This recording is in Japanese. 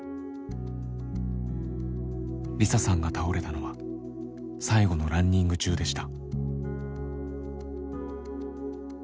梨沙さんが倒れたのは最後のランニング中でした。